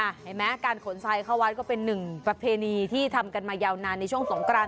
เห็นไหมการขนทรายเข้าวัดก็เป็นหนึ่งประเพณีที่ทำกันมายาวนานในช่วงสงกราน